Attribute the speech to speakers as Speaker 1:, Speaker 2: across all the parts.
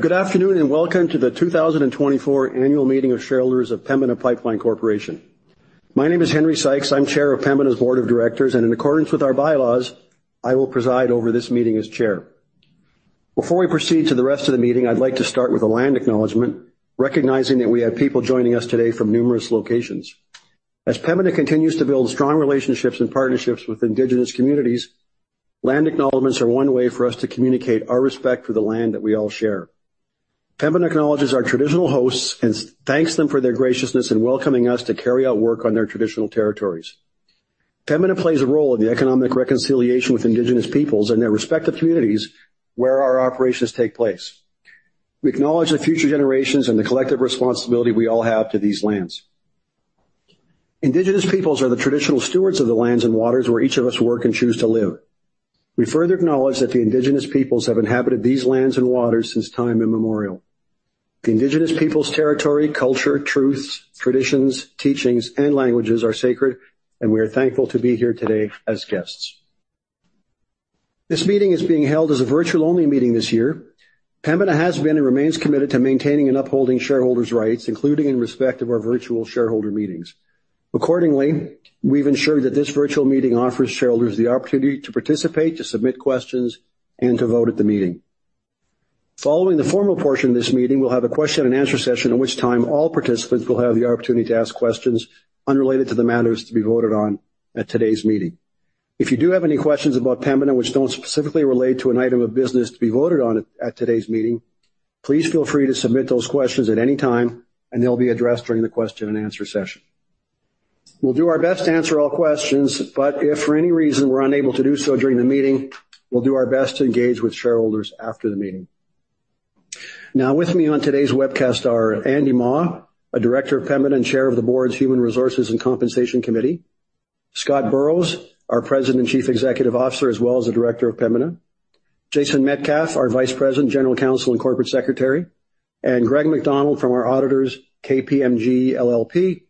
Speaker 1: Good afternoon and welcome to the 2024 annual meeting of shareholders of Pembina Pipeline Corporation. My name is Henry Sykes. I'm Chair of Pembina's board of directors, and in accordance with our bylaws, I will preside over this meeting as Chair. Before we proceed to the rest of the meeting, I'd like to start with a land acknowledgment, recognizing that we have people joining us today from numerous locations. As Pembina continues to build strong relationships and partnerships with Indigenous communities, land acknowledgments are one way for us to communicate our respect for the land that we all share. Pembina acknowledges our traditional hosts and thanks them for their graciousness in welcoming us to carry out work on their traditional territories. Pembina plays a role in the economic reconciliation with Indigenous peoples and their respective communities where our operations take place. We acknowledge the future generations and the collective responsibility we all have to these lands. Indigenous peoples are the traditional stewards of the lands and waters where each of us work and choose to live. We further acknowledge that the Indigenous peoples have inhabited these lands and waters since time immemorial. The Indigenous people's territory, culture, truths, traditions, teachings, and languages are sacred, and we are thankful to be here today as guests. This meeting is being held as a virtual-only meeting this year. Pembina has been and remains committed to maintaining and upholding shareholders' rights, including in respect of our virtual shareholder meetings. Accordingly, we've ensured that this virtual meeting offers shareholders the opportunity to participate, to submit questions, and to vote at the meeting. Following the formal portion of this meeting, we'll have a question-and-answer session at which time all participants will have the opportunity to ask questions unrelated to the matters to be voted on at today's meeting. If you do have any questions about Pembina which don't specifically relate to an item of business to be voted on at today's meeting, please feel free to submit those questions at any time, and they'll be addressed during the question-and-answer session. We'll do our best to answer all questions, but if for any reason we're unable to do so during the meeting, we'll do our best to engage with shareholders after the meeting. Now, with me on today's webcast are Andy Mah, a director of Pembina and Chair of the board's Human Resources and Compensation Committee; Scott Burrows, our President and Chief Executive Officer as well as a director of Pembina; Jason Metcalf, our Vice President, General Counsel, and Corporate Secretary; and Greg MacDonald from our auditors, KPMG LLP,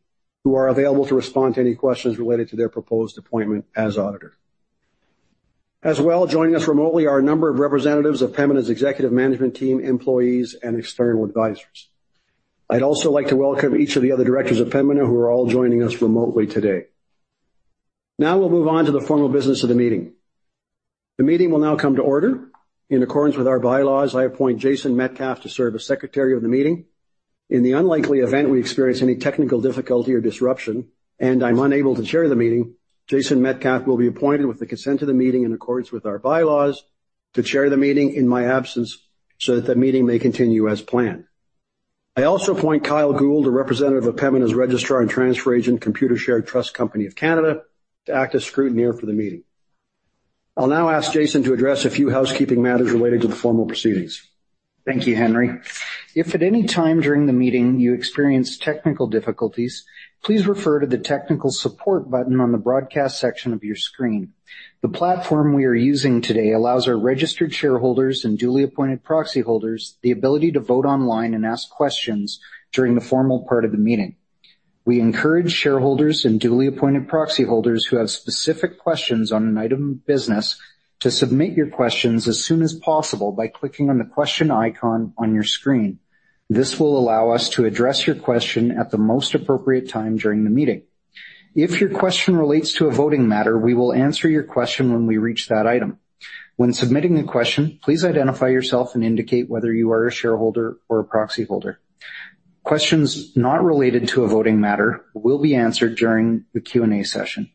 Speaker 1: who are available to respond to any questions related to their proposed appointment as auditor. As well, joining us remotely are a number of representatives of Pembina's executive management team, employees, and external advisors. I'd also like to welcome each of the other directors of Pembina who are all joining us remotely today. Now we'll move on to the formal business of the meeting. The meeting will now come to order. In accordance with our bylaws, I appoint Jason Metcalf to serve as secretary of the meeting. In the unlikely event we experience any technical difficulty or disruption and I'm unable to chair the meeting, Jason Metcalf will be appointed with the consent of the meeting in accordance with our bylaws to chair the meeting in my absence so that the meeting may continue as planned. I also appoint Kyle Gould, a representative of Pembina's registrar and transfer agent, Computershare Trust Company of Canada, to act as scrutineer for the meeting. I'll now ask Jason to address a few housekeeping matters related to the formal proceedings.
Speaker 2: Thank you, Henry. If at any time during the meeting you experience technical difficulties, please refer to the technical support button on the broadcast section of your screen. The platform we are using today allows our registered shareholders and duly appointed proxy holders the ability to vote online and ask questions during the formal part of the meeting. We encourage shareholders and duly appointed proxy holders who have specific questions on an item of business to submit your questions as soon as possible by clicking on the question icon on your screen. This will allow us to address your question at the most appropriate time during the meeting. If your question relates to a voting matter, we will answer your question when we reach that item. When submitting a question, please identify yourself and indicate whether you are a shareholder or a proxy holder. Questions not related to a voting matter will be answered during the Q&A session.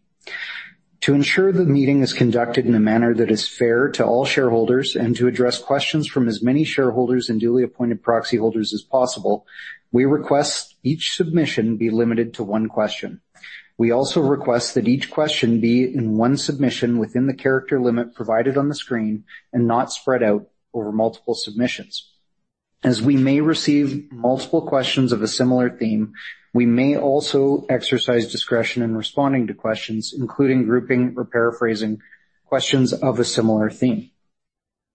Speaker 2: To ensure the meeting is conducted in a manner that is fair to all shareholders and to address questions from as many shareholders and duly appointed proxy holders as possible, we request each submission be limited to one question. We also request that each question be in one submission within the character limit provided on the screen and not spread out over multiple submissions. As we may receive multiple questions of a similar theme, we may also exercise discretion in responding to questions, including grouping or paraphrasing questions of a similar theme.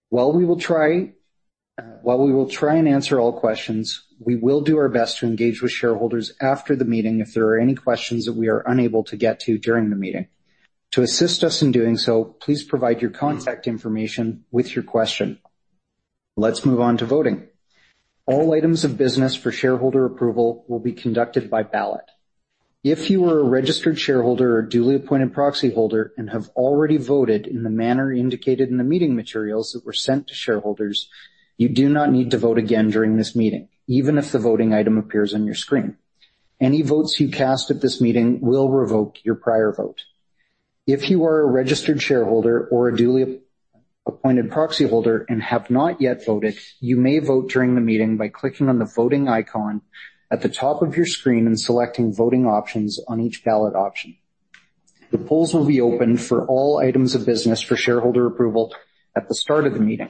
Speaker 2: While we will try and answer all questions, we will do our best to engage with shareholders after the meeting if there are any questions that we are unable to get to during the meeting. To assist us in doing so, please provide your contact information with your question. Let's move on to voting. All items of business for shareholder approval will be conducted by ballot. If you are a registered shareholder or duly appointed proxy holder and have already voted in the manner indicated in the meeting materials that were sent to shareholders, you do not need to vote again during this meeting, even if the voting item appears on your screen. Any votes you cast at this meeting will revoke your prior vote. If you are a registered shareholder or a duly appointed proxy holder and have not yet voted, you may vote during the meeting by clicking on the voting icon at the top of your screen and selecting voting options on each ballot option. The polls will be open for all items of business for shareholder approval at the start of the meeting.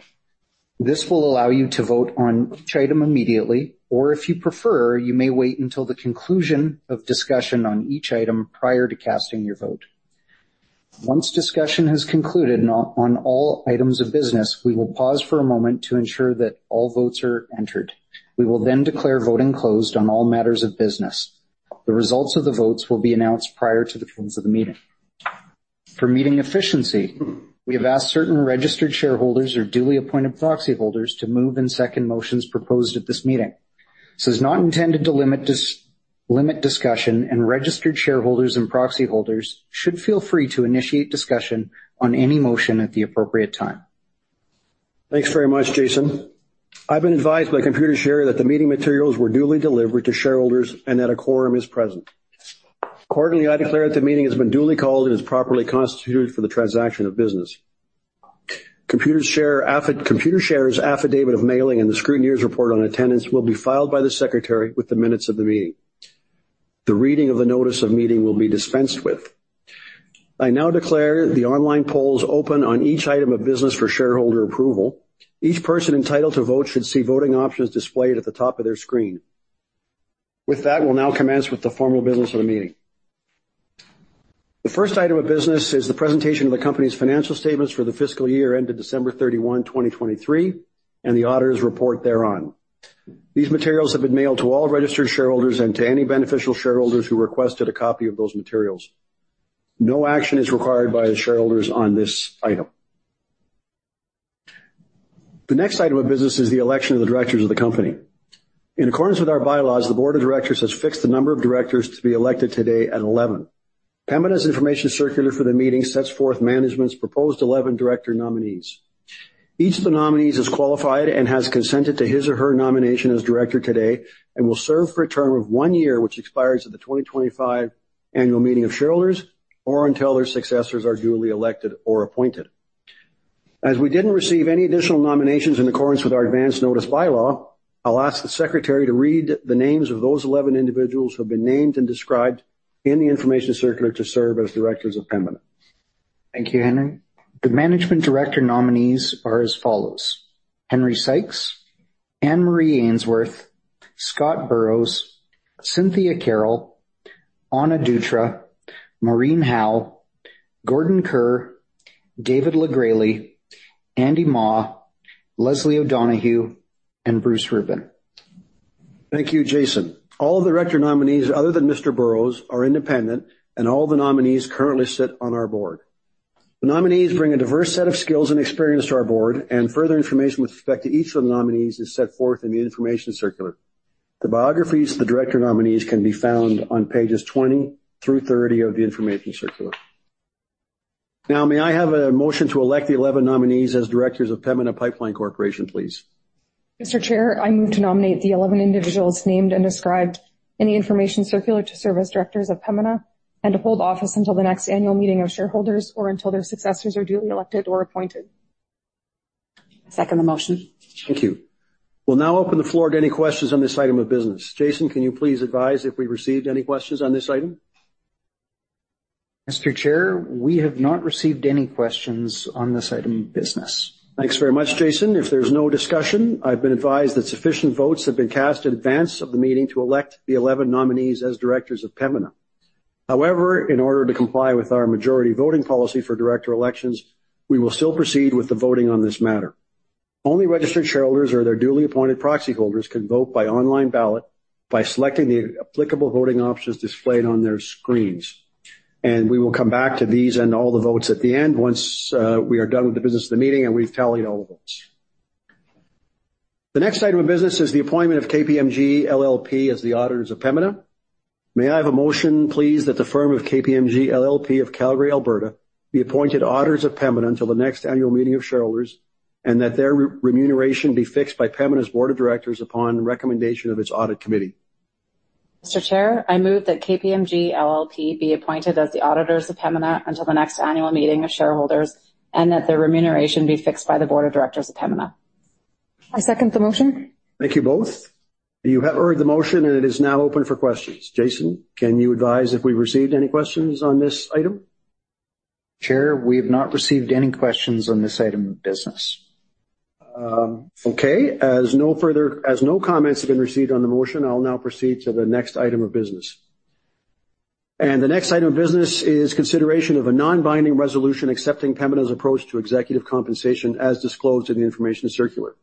Speaker 2: This will allow you to vote on each item immediately, or if you prefer, you may wait until the conclusion of discussion on each item prior to casting your vote. Once discussion has concluded on all items of business, we will pause for a moment to ensure that all votes are entered. We will then declare voting closed on all matters of business. The results of the votes will be announced prior to the conclusion of the meeting. For meeting efficiency, we have asked certain registered shareholders or duly appointed proxy holders to move and second motions proposed at this meeting. This is not intended to limit discussion, and registered shareholders and proxy holders should feel free to initiate discussion on any motion at the appropriate time.
Speaker 1: Thanks very much, Jason. I've been advised by Computershare that the meeting materials were duly delivered to shareholders and that a quorum is present. Accordingly, I declare that the meeting has been duly called and is properly constituted for the transaction of business. Computershare's affidavit of mailing and the scrutineer's report on attendance will be filed by the secretary with the minutes of the meeting. The reading of the notice of meeting will be dispensed with. I now declare the online polls open on each item of business for shareholder approval. Each person entitled to vote should see voting options displayed at the top of their screen. With that, we'll now commence with the formal business of the meeting. The first item of business is the presentation of the company's financial statements for the fiscal year ended December 31, 2023, and the auditor's report thereon. These materials have been mailed to all registered shareholders and to any beneficial shareholders who requested a copy of those materials. No action is required by the shareholders on this item. The next item of business is the election of the directors of the company. In accordance with our bylaws, the board of directors has fixed the number of directors to be elected today at 11. Pembina's information circular for the meeting sets forth management's proposed 11 director nominees. Each of the nominees is qualified and has consented to his or her nomination as director today and will serve for a term of one year, which expires at the 2025 annual meeting of shareholders or until their successors are duly elected or appointed. As we didn't receive any additional nominations in accordance with our advance notice bylaw, I'll ask the secretary to read the names of those 11 individuals who have been named and described in the information circular to serve as directors of Pembina.
Speaker 2: Thank you, Henry. The management director nominees are as follows: Henry Sykes, Anne-Marie Ainsworth, Scott Burrows, Cynthia Carroll, Ana Dutra, Maureen Howe, Gordon Kerr, David LeGresley, Andy Mah, Leslie O'Donoghue, and Bruce Rubin.
Speaker 1: Thank you, Jason. All of the director nominees, other than Mr. Burrows, are independent, and all the nominees currently sit on our board. The nominees bring a diverse set of skills and experience to our board, and further information with respect to each of the nominees is set forth in the information circular. The biographies of the director nominees can be found on pages 20 through 30 of the information circular. Now, may I have a motion to elect the 11 nominees as directors of Pembina Pipeline Corporation, please?
Speaker 3: Mr. Chair, I move to nominate the 11 individuals named and described in the information circular to serve as directors of Pembina and to hold office until the next annual meeting of shareholders or until their successors are duly elected or appointed.
Speaker 4: Second the motion.
Speaker 1: Thank you. We'll now open the floor to any questions on this item of business. Jason, can you please advise if we received any questions on this item?
Speaker 2: Mr. Chair, we have not received any questions on this item of business.
Speaker 1: Thanks very much, Jason. If there's no discussion, I've been advised that sufficient votes have been cast in advance of the meeting to elect the 11 nominees as directors of Pembina. However, in order to comply with our majority voting policy for director elections, we will still proceed with the voting on this matter. Only registered shareholders or their duly appointed proxy holders can vote by online ballot by selecting the applicable voting options displayed on their screens. We will come back to these and all the votes at the end once we are done with the business of the meeting and we've tallied all the votes. The next item of business is the appointment of KPMG LLP as the auditors of Pembina. May I have a motion, please, that the firm of KPMG LLP of Calgary, Alberta, be appointed auditors of Pembina until the next annual meeting of shareholders and that their remuneration be fixed by Pembina's board of directors upon recommendation of its Audit Committee?
Speaker 3: Mr. Chair, I move that KPMG LLP be appointed as the auditors of Pembina until the next annual meeting of shareholders and that their remuneration be fixed by the board of directors of Pembina.
Speaker 4: I second the motion.
Speaker 1: Thank you both. You have heard the motion, and it is now open for questions. Jason, can you advise if we received any questions on this item?
Speaker 2: Chair, we have not received any questions on this item of business.
Speaker 1: Okay. As no further comments have been received on the motion, I'll now proceed to the next item of business. The next item of business is consideration of a non-binding resolution accepting Pembina's approach to executive compensation as disclosed in the information circular.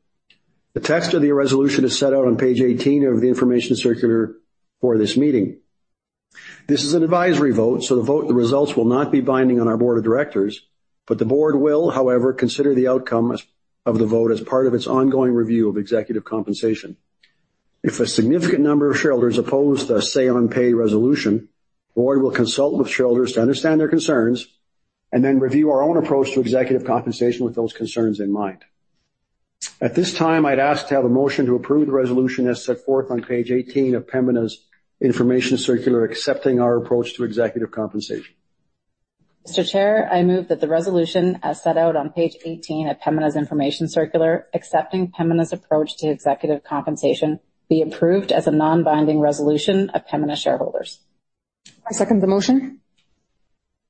Speaker 1: The text of the resolution is set out on page 18 of the information circular for this meeting. This is an advisory vote, so the results will not be binding on our board of directors, but the board will, however, consider the outcome of the vote as part of its ongoing review of executive compensation. If a significant number of shareholders oppose the say-on-pay resolution, the board will consult with shareholders to understand their concerns and then review our own approach to executive compensation with those concerns in mind. At this time, I'd ask to have a motion to approve the resolution as set forth on page 18 of Pembina's information circular accepting our approach to executive compensation.
Speaker 3: Mr. Chair, I move that the resolution as set out on page 18 of Pembina's information circular accepting Pembina's approach to executive compensation be approved as a non-binding resolution of Pembina shareholders.
Speaker 4: I second the motion.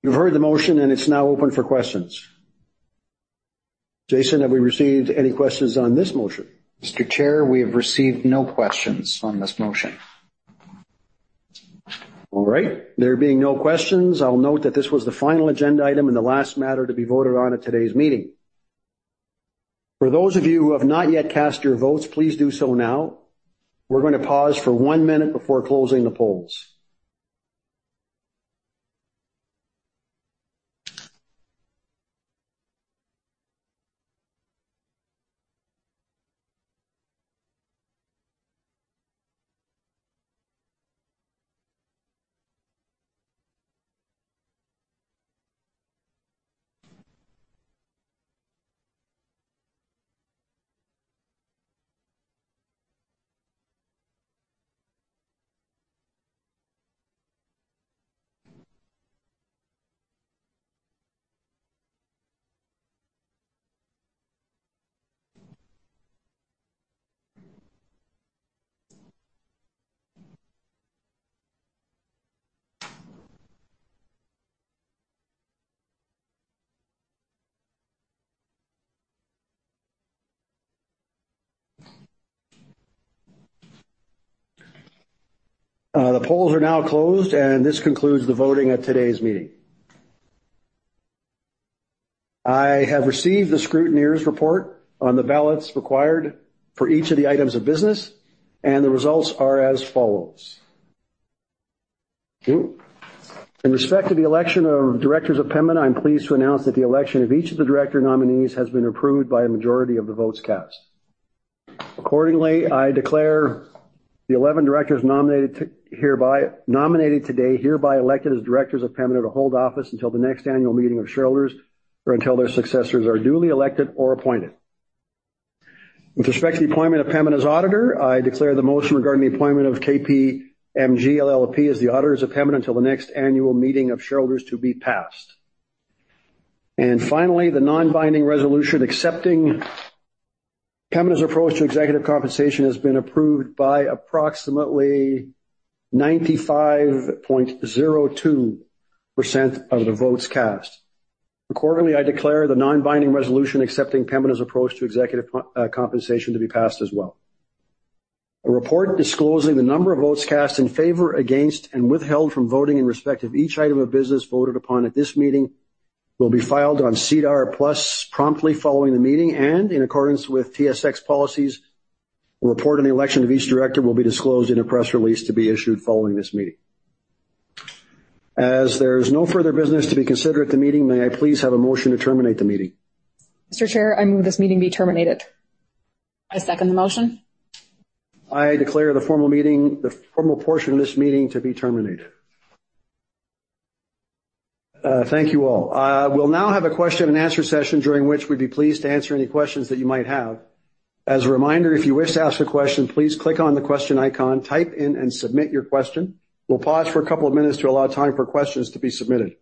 Speaker 1: You've heard the motion, and it's now open for questions. Jason, have we received any questions on this motion?
Speaker 2: Mr. Chair, we have received no questions on this motion.
Speaker 1: All right. There being no questions, I'll note that this was the final agenda item and the last matter to be voted on at today's meeting. For those of you who have not yet cast your votes, please do so now. We're going to pause for one minute before closing the polls. The polls are now closed, and this concludes the voting at today's meeting. I have received the scrutineer's report on the ballots required for each of the items of business, and the results are as follows. In respect to the election of directors of Pembina, I'm pleased to announce that the election of each of the director nominees has been approved by a majority of the votes cast. Accordingly, I declare the 11 directors nominated hereby nominated today hereby elected as directors of Pembina to hold office until the next annual meeting of shareholders or until their successors are duly elected or appointed. With respect to the appointment of Pembina's auditor, I declare the motion regarding the appointment of KPMG LLP as the auditors of Pembina until the next annual meeting of shareholders to be passed. And finally, the non-binding resolution accepting Pembina's approach to executive compensation has been approved by approximately 95.02% of the votes cast. Accordingly, I declare the non-binding resolution accepting Pembina's approach to executive compensation to be passed as well. A report disclosing the number of votes cast in favor, against, and withheld from voting in respect of each item of business voted upon at this meeting will be filed on SEDAR+ promptly following the meeting, and in accordance with TSX policies, a report on the election of each director will be disclosed in a press release to be issued following this meeting. As there's no further business to be considered at the meeting, may I please have a motion to terminate the meeting?
Speaker 3: Mr. Chair, I move this meeting be terminated.
Speaker 4: I second the motion.
Speaker 1: I declare the formal meeting the formal portion of this meeting to be terminated. Thank you all. We'll now have a question and answer session during which we'd be pleased to answer any questions that you might have. As a reminder, if you wish to ask a question, please click on the question icon, type in, and submit your question. We'll pause for a couple of minutes to allow time for questions to be submitted.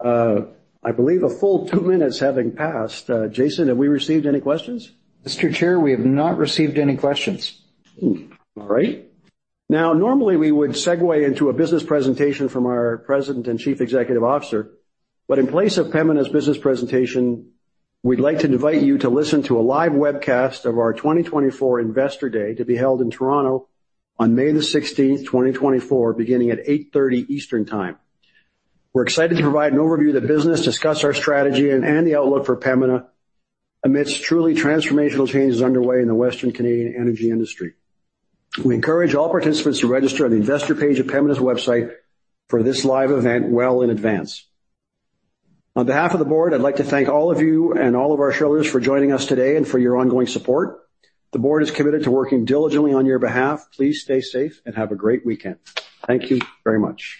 Speaker 1: I believe a full 2 minutes having passed. Jason, have we received any questions?
Speaker 2: Mr. Chair, we have not received any questions.
Speaker 1: All right. Now, normally, we would segue into a business presentation from our President and Chief Executive Officer, but in place of Pembina's business presentation, we'd like to invite you to listen to a live webcast of our 2024 Investor Day to be held in Toronto on May the 16th, 2024, beginning at 8:30 A.M. Eastern Time. We're excited to provide an overview of the business, discuss our strategy, and the outlook for Pembina amidst truly transformational changes underway in the Western Canadian energy industry. We encourage all participants to register on the investor page of Pembina's website for this live event well in advance. On behalf of the board, I'd like to thank all of you and all of our shareholders for joining us today and for your ongoing support. The board is committed to working diligently on your behalf. Please stay safe and have a great weekend. Thank you very much.